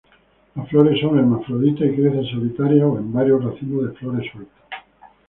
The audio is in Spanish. Las flores son hermafrodita y crecen solitarias o en varios racimos de flores sueltas.